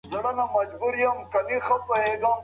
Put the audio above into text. دا حالت د ملي اقتصاد پر وړاندې خنډ دی.